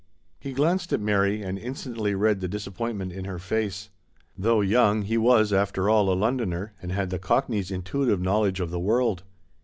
He glanced at Mary and in stantly read the disappointment in her face. Though young, he was, after all, a Londoner : he had the Cockney's intuitive knowledge of the world.